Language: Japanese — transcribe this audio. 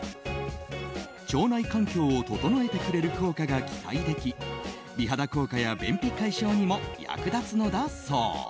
腸内環境を整えてくれる効果が期待でき美肌効果や便秘解消にも役立つのだそう。